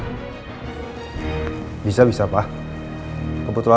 kebetulan hari ini aku bisa menangkap elsa lagi makasih pak